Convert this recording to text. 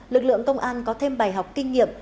lực lượng công an có thêm bài học kinh nghiệm